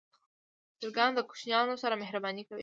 چرګان د کوچنیانو سره مهرباني کوي.